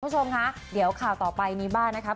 คุณผู้ชมคะเดี๋ยวข่าวต่อไปนี้บ้างนะคะ